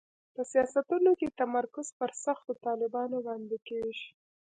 په سیاستونو کې تمرکز پر سختو طالبانو باندې کېږي.